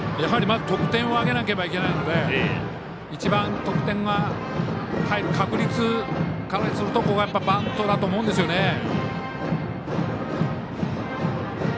まず得点を挙げなければいけないので一番、得点が入る確率を考えるとバントだと思うんですよね。